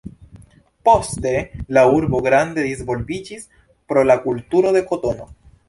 Poste, la urbo grande disvolviĝis pro la kulturo de kotono.